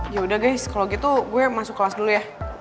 yaudah deh kalau gitu gue masuk kelas dulu ya